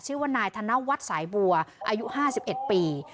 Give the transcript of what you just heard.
ชื่อว่านายธนวัฒน์สายบัวอายุ๕๑ปี